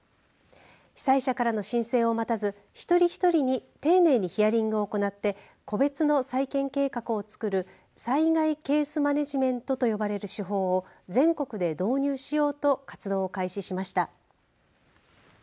被災者からの申請を待たず一人一人に丁寧にヒアリングを行って個別の再建計画を作る災害ケースマネジメントと呼ばれる手法を全国で導入しようと活動を開始しました。